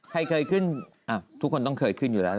ใครเคยขึ้นทุกคนต้องเคยขึ้นอยู่แล้ว